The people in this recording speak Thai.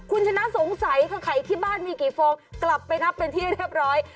คุณชนะสงสัยค่ะไข่ที่บ้านมีกี่ฟองกลับไปนับเป็นที่เรียบร้อย